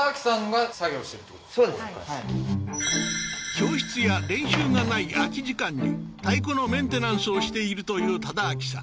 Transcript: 教室や練習がない空き時間に太鼓のメンテナンスをしているという忠明さん